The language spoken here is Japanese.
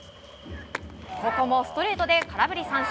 ここもストレートで空振り三振。